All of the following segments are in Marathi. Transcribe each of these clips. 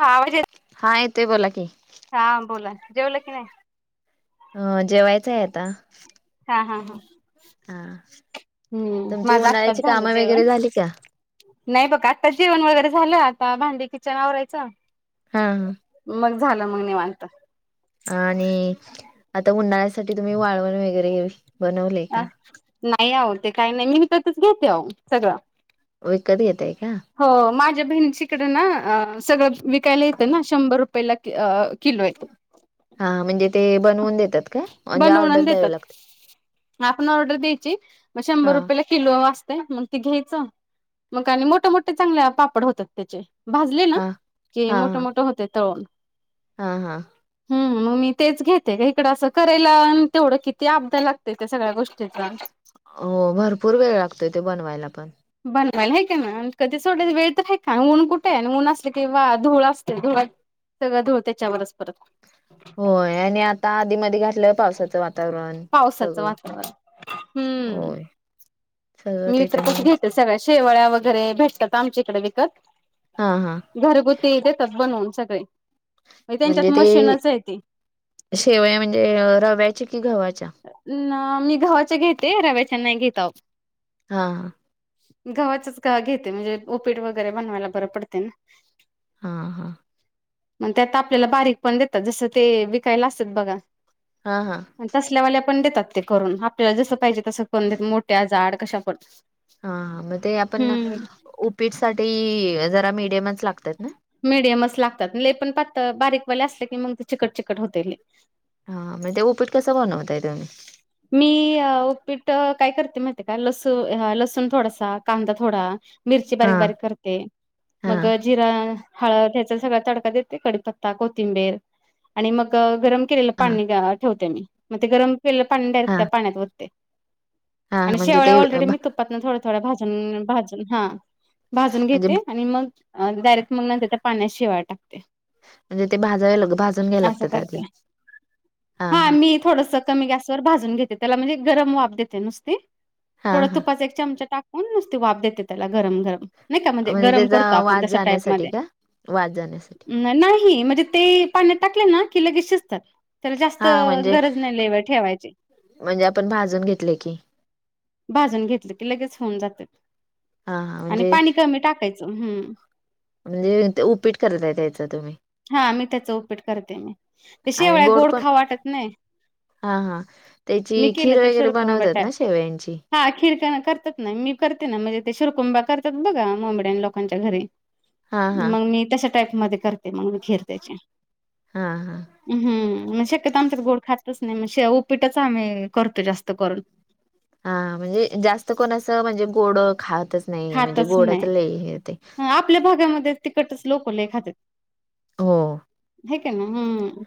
हा आवाज येत हा येतोय बोला की. हा बोला, जेवला की नाही? अ जेवायचं आहे आता. हा, हा, हा. हा, हम्म तुमची माझं आत्ताच उन्हाळ्याची झालं काम जेवण वगैरे झाली का? नाही बघ, आत्ता जेवण वगैरे झालं, आता भांडी किचन आवरायचं. हा, हा. मग झालं मग निवांत. आणि आता उन्हाळ्यासाठी तुम्ही वाळवण वगैरे घेवी. अ नाही आओ ते काही नाही, मी विकतच घेत्या सगळं. विकत घेताय का? हो, माझ्या बहिणीचीकडे ना सगळं विकायला येतं ना, शंभर रुपयेला कि अ हा, म्हणजे ते बनवून देतात का, म्हणजे बनवून आणि ऑर्डर द्यावी लागते. देतात आपण ऑर्डर द्यायची, मग शंभर हा रुपयेला किलो वर असतय, मग ती घ्यायचं मग आणि मोठ, मोठे चांगल्या पापड होतात त्याचे. भाजले ना हा की हा मोठ, हा मोठं होत्या तळून. हा, हा. हम्म, मग मी तेच घेते, इकडं असं करायला आणि तेवढं किती आपदा लाग ते ते सगळ्या गोष्टीचा. हो, भरपूर वेळ लागतोय ते बनवायला पण. बनवायला हाय का नाही, कधी सोडल वेळ तर हाय का, ऊन कुठे आहे ऊन असल कि धूळ असते, धुळत सगळं धूळ त्याच्यावरच परत. होय आणि आता आधी मधी घातलं पावसाचं वातावरण पावसाचं सगळं वातावरण हम्म होय. सगळं तेच्यामुळ इथं घेत्यात सगळं शेवळ्या वगैरे भेटत्यात, आमच्या इकडे विकत. हा, हा. घरगुती देतात बनवून सगळे. त्यांच्यात म्हणजे ते, मशीनच आहे ती शेवया म्हणजे रव्याच्या कि गव्हाच्या? मी गव्हाच्या घेते, रव्याच्या नाही घेत आहो. हा. गव्हाचच घेते म्हणजे उपीट वगैरे बनवायला बरे पडते ना. हां हां. मग त्यात आपल्याला बारीक पण देतात जसं ते विकायला असतात बघा हां हां. आणि तसल्यावाल्या पण देतात ते करून आपल्याला जसं पाहिजे तसं पण देत मोठ्या जाड कश्या पण. हां हां मग ते आपण हम्म उपीट साठी जरा मिडियमच लागतात ना. मिडियमच लागतात लई पण पातळ बारीक वाल्या असले की मग ते चिकट चिकट होते लई. हां मग ते उपीट कसं बनवता तुम्ही? मी उपीट काय करते माहित आहे का लसू लसूण थोडासा, कांदा थोडा मिरची बारीक हां बारीक करते मग हां जिरा हळद ह्याचा सगळा तडका देते कडीपत्ता कोथिंबीर आणि मग गरम केलेलं हां पाणी ठेवते मी मग ते गरम केलेलं पाणी डायरेक्ट हां त्या पाण्यात ओतते. हां आणि म्हणजे शेवळ्या ते ऑलरेडी भा मी तु पातन थोड्या थोड्या भाजून भाजून हां भाजून म्हणजे घेते आणि मग ते डायरेक्ट मग नंतर त्या पाण्यात शेवाळ्या टाकते. म्हणजे ते भाजायला भाजून घ्यायला असं लागतात आधी करते. हां हा हां. मी थोडस कमी गॅसवर भाजून घेते त्याला म्हणजे गरम वाफ देते नुसती. हां थोडं हां तुपाचा एक चमचा टाकून नुसती वाफ देते त्याला गरम गरम. नाही का म्हणजे गरम करतो त्याचा आपण वास तशा टाईप जाण्यासाठी मध्ये. का? वास जाण्यासाठी नाही नाही! म्हणजे ते पाण्यात टाकले ना की लगेच शिजतात. त्याला जास्त हां म्हणजे गरज नाही लई वेळ ठेवाय म्हणजे आपण भाजून घेतले की भाजून घेतलं की लगेच होऊन जात्यात हां हां आणि म्हणजे पाणी कमी टाकाय चं हम्म. म्हणजे ते उपीट करताय त्याच तुम्ही! हां मी त्याच उपीट करते मी. ते आणि शेवळ्या गोड पण खाऊ वाटत नाही. हां हां. त्याची मी खीर वगैरे बनवतात ना शेवयांची? हां खीर तेन करतात ना मी करते ना म्हणजे ते शिरकुंबा करतात बघा मोमेडियन लोकांच्या घरी. हां हां मग मी तशा टाईप मध्ये करते मग मी खीर त्याची. हां हां हम्म शक्यतो आमच्यात गोड खातच नाही शेवया उपीटच आम्ही करतो जास्त करून. हां म्हणजे जास्त कोण असं म्हणजे गोड खातंच नाही म्हणजे खातच गोडाच नाही. लई हे ते. आपल्या भागामध्ये तिखटच लोकं लई खात्यात हो आहे काय नाही हम्म.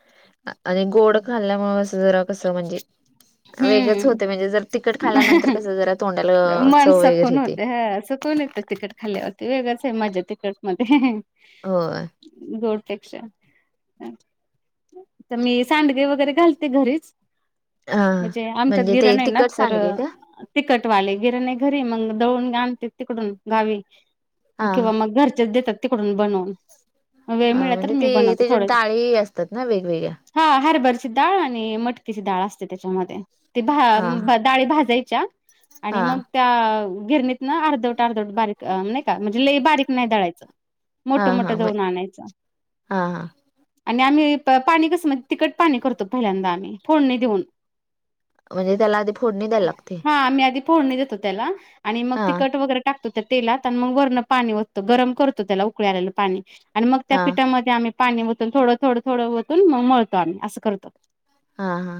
आणि गोड खाल्ल्यामुळ अस जरा कसं म्हणजे वेगळंच हम्म. होते म्हणजे जर तिखट खाल्ल्यानंतर कसं जरा तोंडाला चव वगैरेे येते. तोंड येत‌ तिखट खाल्यावरती वेगंळच आहे मज्जा तिखट मध्ये. होय. गोडपेक्षा तर मी सांडगी वगैरे घालते घरीच हा म्हणजे आमच्यात ते गिरण आहे ना तिखट तर सांडगे का? तिखटवाले गिरण आहे घरी मग दळून आणते तिकडून गावी हा मग किंवा मग घरचेच देतात तिकडून बनवून. वेळ हां मिळाला तर म्हणजे मी ते त्याच्यात डाळी असतात ना वेगवेगळ्या? हां हरभरची डाळ आणि मटकीची डाळ असते त्याच्यामध्ये ते हा भा डाळी भाजायच्या आणि हा मग त्या गिरणीत न अर्धव वट अर्धवट बारीक नाही का म्हणजे लई बारीक नाही दळायचं हा मोठं हा मोठं म दळून आणायचं. हा हां. आणि आम्ही पाणी कस म्हणजे तिखट पाणी करतो. आम्ही पहिल्यांदा आम्ही फोडणी देऊन. म्हणजे त्याला आधी फोडणी द्याय लागते. हा आम्ही आधी फोडणी देतो त्याला, आणि मग हा तिखट वैगेरे टाकतो त्या तेलात आणि मग वरण पाणी वततो गरम करतो. त्याला उकळी आलेलं पाणी, आणि मग त्या हा पिठामध्ये. ते पाणी वतून थोडं, थोडं, थोडं वतून मग मळतो आम्ही असं करतो. हा, हा.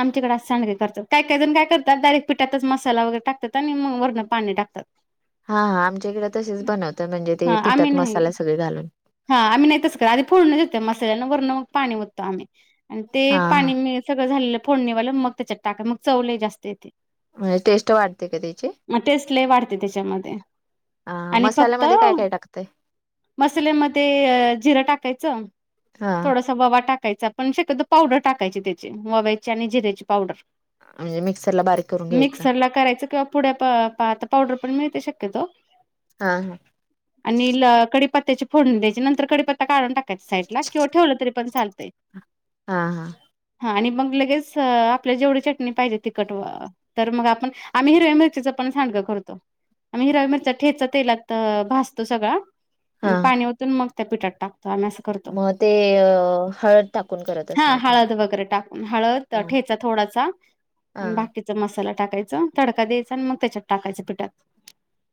आमच्याकडे असे सांडगे करतात. काय काही जण काय करतात डायरेक्ट पीठातच मसाला वगैरे टकतात, आणि मग वरण पाणी टाकतात. हा हा आमच्याकडे तसेच बनवतात. म्हणजे ते हा आम्ही पिठात नाही मसाला सगळे घालून. हा आम्ही नाही तस करात. आधी फोडणी देतो मसाल्यांना वरण पाणी ओततो, आम्ही आणि ते हा हा पाणी सगळं झालेलं फोडनेवाल मग त्याच्यात टाका मग चव लई जास्त येते. म्हणजे टेस्ट वाढते का? त्याची. मग टेस्ट लई वाढते त्याच्यामध्ये. ह आणि फक्त मसाल्यामध्ये काय काय टाकतय. मसाल्यामध्ये जीर टाकायचं हा थोडस ओवा टाकायचा पण शक्यतो पावडर टाकायची त्याचेमध्ये ओव्याची आणि जिऱ्याची पावडर. म्हणजे मिक्सरला बारीक करून घ्यायचं मिक्सर ला करायच किंवा पुढ्या पाता पावडर पण मिळते शक्यतो. हा, हा. आणि कडीपत्त्याची फोडणी द्याची. नंतर कडीपत्ता काढून टाक साईड ला किंवा ठेवला, तरी पण चालंतय. हा, हा. हा आणि मग लगेच आपल्या जेवढी चटणी पाहिजे तेवढी तिकट तर मग आपण, आम्ही हिरव्या मिरचीचं पण सांडगं करतो. आम्ही हिरव्या मिरच्याचा ठेचा तेलात भाजतो सगळा. आणि हा. पाणी मग त्या पिठात टाकतो. आम्ही असं करतो. मग ते हळद टाकून करत [inaudible] हा असणार तुम्ही हळद वगैरे टाकून हळद. तर ठेचा थोडासा. आणि हां. बाकीचा मसाला टाकायचा, तडका द्यायचा, आणि मग त्याच्यात टाकायचं पिठात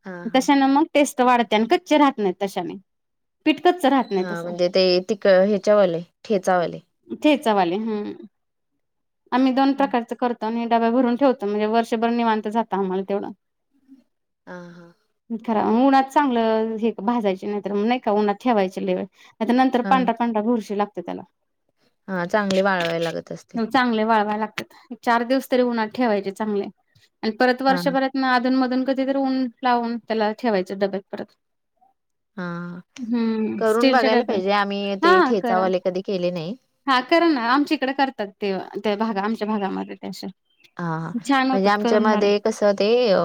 हा हा तशान मग ना. टेस्ट वाढत्या, आणि कच्चे राहत नाही तशाने. पीठ कच्च रा हा म्हणजे ते तिक ह्याच्यावानी ठेचावानी. ठेचावाणी हम, आम्ही दोन हा प्रकारच करतो. आणि डबा भरून ठवतो. म्हणजे वर्षभर निवांत जात आम्हाला तेवढं. हां, हां. खरा उन्हात चांगलं हे भाजायचे, नाहीतर मग नाही का? उन्हात ठेवायचे लई वेळ. नाहीतर नंतर हा पांढरा पांढरा भुरशी लागते त्याला. हा चांगले वाळवाय लागत असतील. चांगले वळवायला लागतात. चार दिवस तरी उन्हात ठेवायचे चांगले, आणि परत हा वर्षभरात ना अधून मधून कधीतरी ऊन लावून, त्याला ठेवायचं डब्यात परत. हा हम्म करून स्टीलच्या बघायला डब्यात पाहिजे. आम्ही ते ठेचावाले कधी केले नाही. हा करा ना आमच्या इकडे करतात. ते त्या भागा आमच्या भागामध्ये तस. हा ह म्हणजे आमच्या मध्ये कस ते अ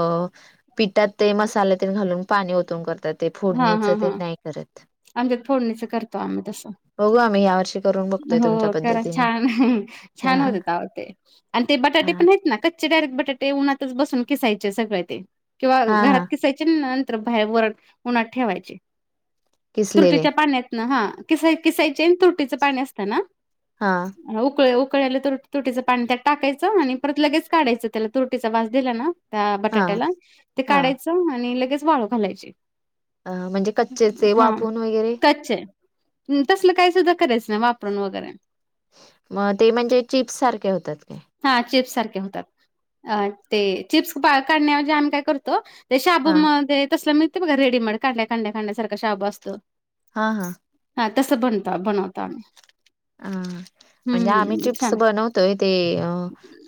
पिठात ते मसाले ते घालून पाणी ओतून करतात. ते हां फोडणीच हां ते हां नाही करत. आमच्यात फोडणीच करतो आम्ही तसं. बघू आम्ही ह्या वर्षी करून बघतोय हो तुमच्या करा पद्धतीने छान, हा छान होतेत आवो ते. आण ते बटाटे हा पण आहेत ना कच्चे डायरेक्ट बटाटे उन्हातच बसून कीसायचे सगळ ते. किंवा हा घरात हा किसायचे नंतर बाहेर वर उन्हात ठेवायचे. किसलेले तूरटीच्या पाण्यात ना, हा किसा किसायचे तुरटीच पाणी असत ना. हा. मग उकळल्या उकळल्या, लई तुर तुरटीच पाणी त्यात टाकायचं आणि परत लगेच काढायचं त्याला तुरटीचा वास दिला ना. त्या हा बटाट्याला, ते हा काढायचं आणि लगेच वाळू घालायचे. अ म्हणजे कच्चेच आहे. वाफवून वगैरे. कच्चे. तसलं काही सुद्धा करायचं, वापरून वगैरे. मग ते म्हणजे चिप्स सारखे होतात. हा चिप्स सारखे होतात. अ ते चिप्स काढण्या ऐवजी आम्ही काय करतो ते हा शाबूमध्ये तसला मिळते बघा, रेडीमेड काढल्या कांड्या कांड्या सारखा शाबू असतो. हा हा. हा. तसं बनत बनवतो आम्ही. हा हा. म्हणजे आम्ही हम्म चिप्स छान बनवतोय ते अ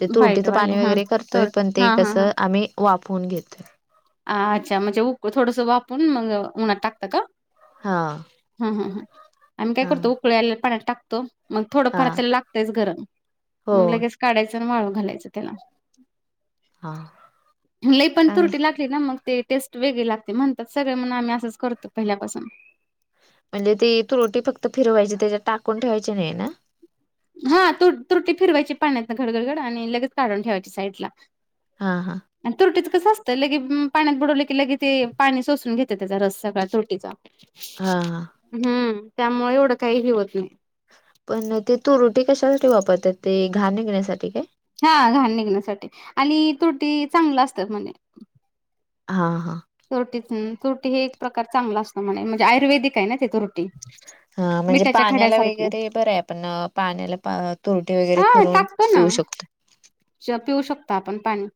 ते तुरटीचं व्हाईटवाले पाणी हा वगैरे करतोय, तोट पण हा ते हा कसं आम्ही वाफवून घेतोय. आ अच्छा म्हणजे उक थोडस वाफवून मग उन्हात टाकता का? हा हं हं हं. आम्ही काय हा करतो उकळी आलेल्या पाण्यात टाकतो. मग हा थोडंफार त्याला लागतेच गरम हो मग लगेच काढायच अन् वाळू घालायच त्याला. हा लई पण चांगलं तुरटी लाग ते काय मग ते टेस्ट वेगळी लागते म्हणतात. सगळे म्हण आम्ही असंच करतो पहिल्यापासून. म्हणजे ती तूरटी फक्त फिरवायची, त्याच्यात टाकून ठेवायची नाही ना? हा तु तुरटी फिरवायची पाण्यातन घड घड घड आणि लगेच काढून ठेवायची साईड ला. हा हा. आणि तुरटीचं कसं असतंय लगे पाण्यात बुडवलं की लगे ते पाणी सोसून घेते त्याचा रस सगळया तुरटीचा आ हा. हम्म. त्यामुळे एवढं काहीही होत नाही. पण ती तूरटी कशासाठी वापरतात ते घाण निघण्यासाठी काय? हा घाण निघण्यासाठी आणि तुरटी चांगलं असतात म्हने. हा हा. तुरटी, तुरटी हे एक प्रकार चांगला असत म्हणे म्हणजे आयुर्वेदिक आहे ना ते तुर [inaudible] हा म्हणजे पाण्याला वगैरे बरं आहे पण पाण्याला पा तुरटी वगैरे फिरवून. पिऊ शकतो. च्या पिऊ शकता आपण पाणी.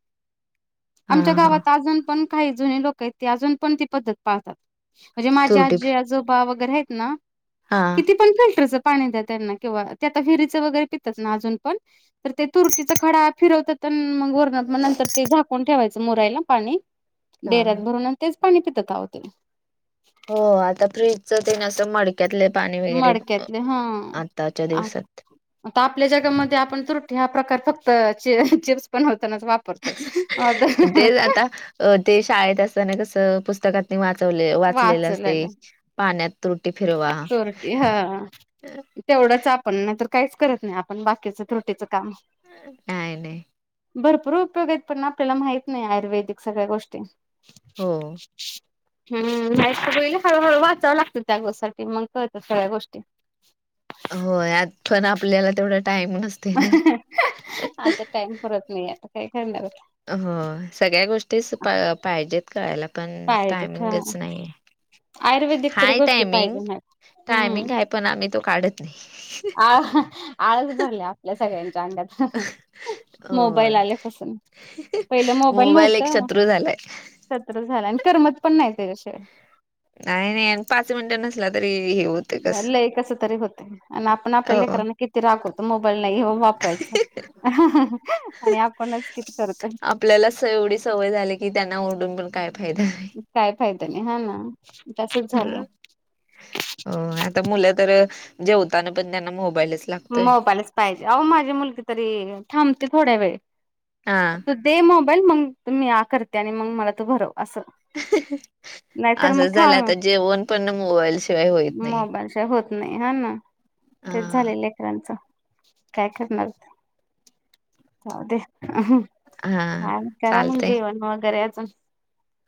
हा आमच्या हा गावात आजून पण काही जुने लोक का ते? अजून पण ती पद्धत पाळतात. म्हणजे माझे तुरटी आजी आजोबा वगैरे आहेत ना. हा हा किती पण फिल्टरच पाणी द्या त्यांना किंवा ते आता विहिरीचं वगैरे पितात ना आजून पण. तर ते तुरुटीचा खडा फिरवतात. प मग वरणात नंतर ते झाकून ठेवायचं मुरायला पाणी डेरा हा पुनान तेच पाणी पितात कावो ते? हो आता फ्रीजच ते असं मड त्यातले पाणी वगैरे पितो, मडक्यातले हा आत्ताच्या दिवसात. आता आपल्या जगामध्ये, आपण तूरटी हा प्रकार, फक्त च-चिप्स बनवतानाच, वाप तेच आता, अ ते शाळेत असतना, कसं पुस्तकात वाचवले, वाचलेले असते, वाचलेलं पाण्यात तुरटी फिरवा. चोरटी हा तेवढंच आपण, नहीतर काहीच करत नही, आपण बाकीच तुरटीचं काम. नाही नाही भरपूर उपयोग येत, पन आपल्याला माहीत नही, आयुर्वेदिक सगळ्या गोष्टी. हो. हम्म हम्म, नाय त पहिले हळू-हळू वाचावं लागतं, त्या [unintelligible] साठी, मग कळतात, सगळ्या गोष्टी. होय, यात पण आपल्याला, तेवढा टाईम नस आता टाइम पुरत नही, आता काय करणार? हं, सगळ्या गोष्टीच पा-पाहिजेत कळायला, पण पाहिजेत हा टायमिंगच नहीये, आयुर्वेदिक तरी हाये गोष्टी टामिंग, पाहिजे मॅम हम्म टायमिंग हाय पण आम्ही, तो काढत नही. आ हां, आळस भरला, आपल्या सगळ्यांच्या अंगात, ह्हणं हं मोबाईल होय आल्यापासून. पहिलं मोबाईल नव्हत, एक शत्रू झालाय सत्र झालं आणि करमत पण नाय, त्याच्याशिवाय. नाही- नाही अं पाच मिनिटं नसला, तरी हे होत लई कसं तरी होतय, आण आपण आपल्या हो लेकरांना, किती रागवतो, मोबाईल नाही घेऊ, वापरायचा. ह्ह्णहण आणि आपणच किती करत आपल्यालाच एवढीस सवय झाली की, त्यांना ओरडुन पण काय फायदा. [unintelligible] काय फायदा नही, हां ना, तसच झालय. अं आता मुलं तर, जेवताना पण, त्यांना मोबाईलच लागतोय मोबालाच पाहिजे, अहो माझी मुलगी तरी, थांबते थोड्या हा वेळ दे मोबाईल, मंग म्या आ करते आणि मग मला तू भरव, असं. नाहीतर मग असंच झालंय, थांब आता जेवण पण, मोबाईल शिवाय होईत नही. णशिवाय होत नाही, हां ना, तेच हा झाललेय त्याचं, काय करणार, जाऊदे ह्हणं. हा, करा मग जेवण, वगैरे आजू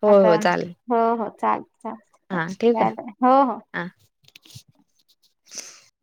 होय आता चालेल हो हो, चालतय-चालतय, हा ठेवू का झालं हो हो हा.